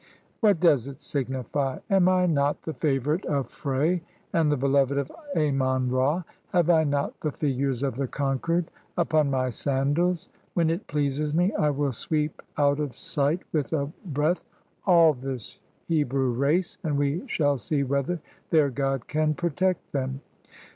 "What does it signify? Am I not the favorite of Phre, and the beloved of Amon Ra? Have I not the figures of the conquered upon my sandals? When it pleases me, I will sweep out of sight with a breath all this Hebrew race, and we shall see whether their God can protect them!"